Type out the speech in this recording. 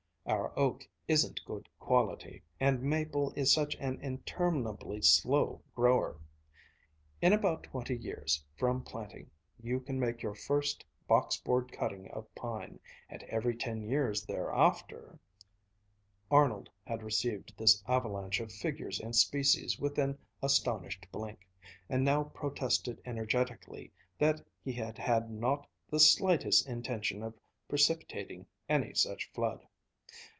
Our oak isn't good quality, and maple is such an interminably slow grower. In about twenty years from planting, you can make your first, box board cutting of pine, and every ten years thereafter " Arnold had received this avalanche of figures and species with an astonished blink, and now protested energetically that he had had not the slightest intention of precipitating any such flood.